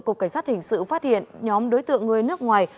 cục cảnh sát hình sự phát hiện nhóm đối tượng người nước ngoài